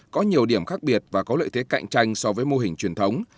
có nhiều điểm khác biệt và có lợi thế cạnh tranh so với mô hình truyền thống